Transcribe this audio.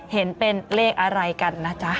เห็นเป็นเลขอะไรกันนะจ๊ะ